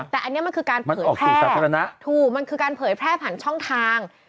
แต่อันนี้มันคือการเผยแพร่สาธารณะถูกมันคือการเผยแพร่ผ่านช่องทาง